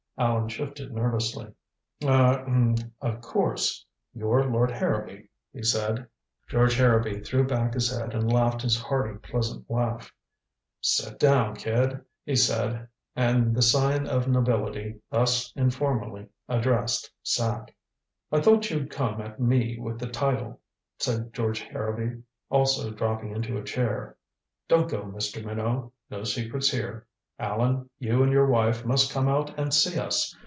Allan shifted nervously. "Ah er of course, you're Lord Harrowby," he said. George Harrowby threw back his head and laughed his hearty pleasant laugh. "Sit down, kid," he said. And the scion of nobility, thus informally addressed, sat. "I thought you'd come at me with the title," said George Harrowby, also dropping into a chair. "Don't go, Mr. Minot no secrets here. Allan, you and your wife must come out and see us.